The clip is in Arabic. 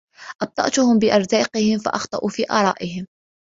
أَبْطَأْتُمْ بِأَرْزَاقِهِمْ فَأَخْطَئُوا فِي آرَائِهِمْ